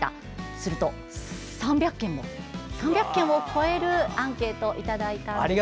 すると、３００件を超えるアンケートをいただいたんです。